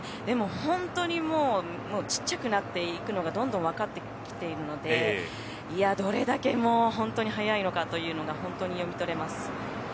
でも本当にちっちゃくなっていくのがどんどんわかってきているのでどれだけほんとに速いのかというのが本当に読み取れます。